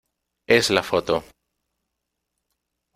es la foto...